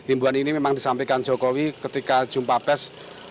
himbuan ini memang disampaikan jokowi ketika jumpa pes